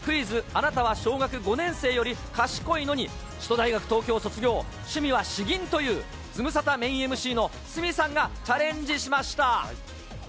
あなたは小学５年生より賢いの？に、首都大学東京を卒業、趣味は詩吟という、ズムサタメインＭＣの鷲見さんがチャレンジしました。